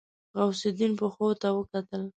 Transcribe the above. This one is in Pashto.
غوث الدين پښو ته وکتل.